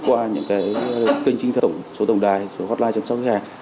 qua những cái kênh trinh thống số tổng đài số hotline chăm sóc khách hàng